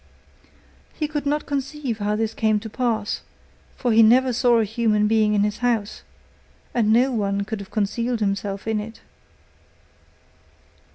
He could not conceive how this came to pass, for he never saw a human being in his house, and no one could have concealed himself in it.